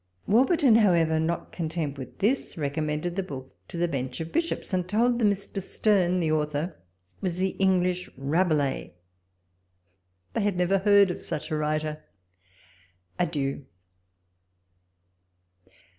Warburton, hov/ever, not content with this, recommended the book to the bench of bishojjs, and told them Mr. Sterne, the author, was the English Rabelais. They had never heard of such a writer. Adieu